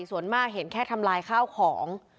ส่วนมากเห็นแค่ทำลายข้าวของ